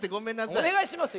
おねがいしますよ。